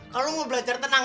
kalau mau belajar tenang